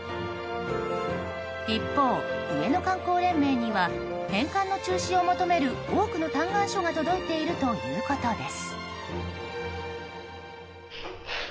一方、上野観光連盟には返還の中止を求める多くの嘆願書が届いているということです。